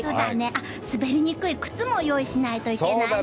滑りにくい靴も用意しないといけないね！